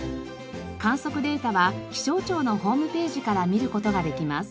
観測データは気象庁のホームページから見る事ができます。